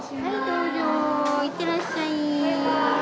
どうぞ、いってらっしゃい。